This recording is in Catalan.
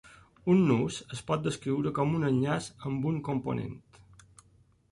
Un nus es pot descriure con un enllaç amb un component.